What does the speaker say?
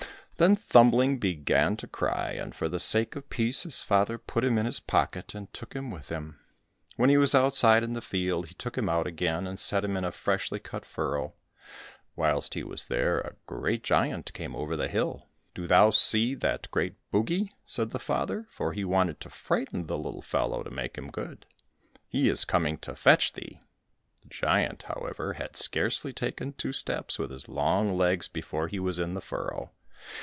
Then Thumbling began to cry, and for the sake of peace his father put him in his pocket, and took him with him. When he was outside in the field, he took him out again, and set him in a freshly cut furrow. Whilst he was there, a great giant came over the hill. "Do thou see that great bogie?" said the father, for he wanted to frighten the little fellow to make him good; "he is coming to fetch thee." The giant, however, had scarcely taken two steps with his long legs before he was in the furrow.